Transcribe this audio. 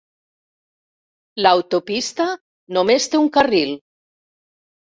L'autopista només té un carril.